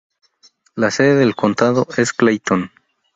La sede del condado es Clayton.